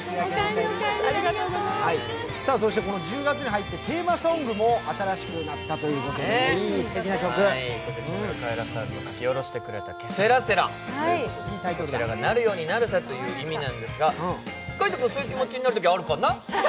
この１０月に入ってテーマソングも新しくなったということで、木村カエラさんが書き下ろしてくれた「ケセラセラ」、こちらがなるようになるさという意味なんですが海音君、そういう気持ちになるときあるかな？